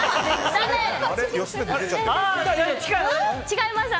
違います。